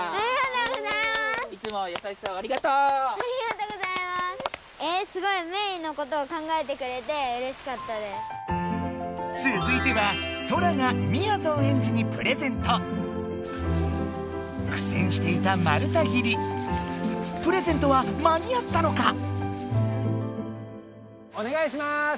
おねがいします。